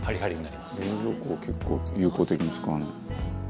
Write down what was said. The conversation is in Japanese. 「冷蔵庫を結構有効的に使うなあ」